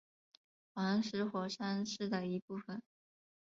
黄石火山是的一部分。